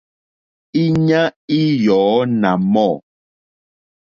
Íɲá í yɔ̀ɔ́ nà mɔ̂.